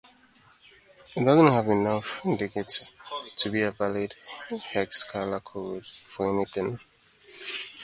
It doesn't have enough digits to be a valid hex color code for anything